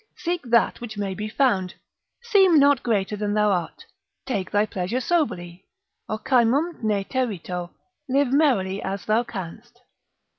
Seek that which may be found. Seem not greater than thou art. Take thy pleasure soberly. Ocymum ne terito. Live merrily as thou canst.